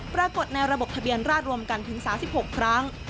ปรากฏในระบบทะเบียนราชรวมกันถึง๓๖ครั้ง